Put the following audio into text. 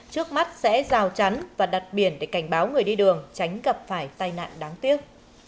trước mắt sẽ rào chắn và đặt biển để cảnh báo người đi đường tránh gặp phải tai nạn đáng tiếc